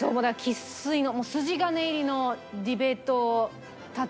生粋の。